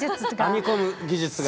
編み込む技術が。